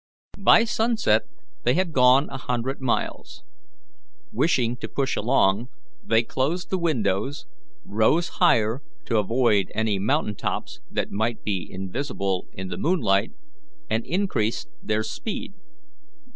By sunset they had gone a hundred miles. Wishing to push along, they closed the windows, rose higher to avoid any mountain tops that might be invisible in the moonlight, and increased their speed.